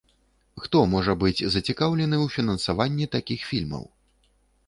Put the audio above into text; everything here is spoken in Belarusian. Хто можа быць зацікаўлены ў фінансаванні такіх фільмаў?